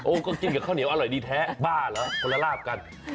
ก็กินกับข้าวเหนียวอร่อยดีแท้บ้าเหรอคนละลาบกัน